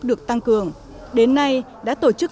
được tăng cường đến nay đã tổ chức